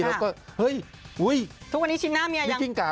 ทุกวันนี้ชิ้นหน้าเมียยัง